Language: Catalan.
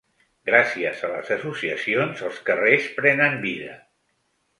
Gràcies a les associacions, els carrers prenen vida.